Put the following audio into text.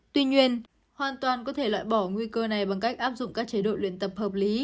tuy nhiên hoàn toàn có thể loại bỏ nguy cơ này bằng cách áp dụng các chế độ luyện tập hợp lý